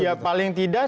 ya paling tidak